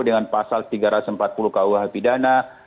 dengan pasal tiga ratus empat puluh kuh pidana